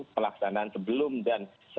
pelaksanaan sebelum dan